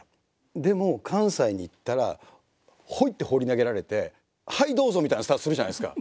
でも関西に行ったらホイって放り投げられて「はいどうぞ！」みたいなスタートするじゃないですか。